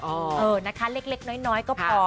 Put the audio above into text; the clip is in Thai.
เออนะคะเล็กน้อยก็พอ